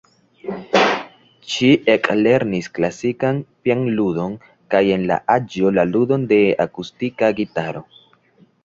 Ŝi eklernis klasikan pianludon kaj en la aĝo la ludon de akustika gitaro.